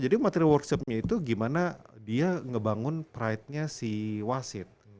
jadi materi workshopnya itu gimana dia ngebangun pride nya si wasit